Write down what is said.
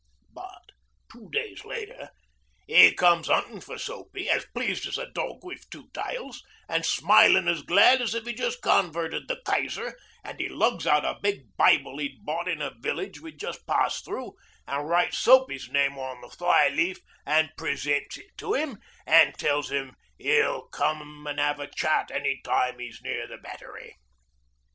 But two days later 'e comes 'unting for Soapy, as pleased as a dog wi' two tails, an' smilin' as glad as if 'e'd just converted the Kaiser; an' 'e lugs out a big Bible 'e'd bought in a village we'd just passed through, an' writes Soapy's name on the fly leaf an' presents it to 'im, and tells 'im 'e'll come an' 'ave a chat any time 'e's near the Battery.